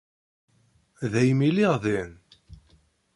Daymi lliɣ din.